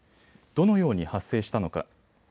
どのように発生したのか。